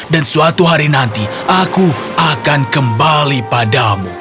dan suatu hari nanti aku akan kembali padamu